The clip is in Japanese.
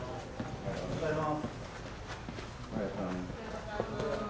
おはようございます。